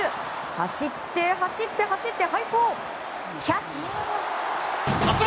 走って走って走って、背走キャッチ！